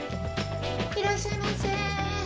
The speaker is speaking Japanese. いらっしゃいませ。